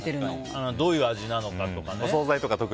どういう味なのかとかね。